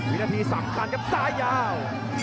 วินาทีสำคัญครับซ้ายยาว